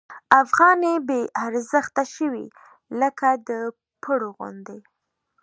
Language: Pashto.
افغانۍ بې ارزښته شوې لکه د پړو غوندې.